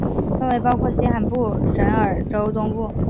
范围包括新罕布什尔州东部。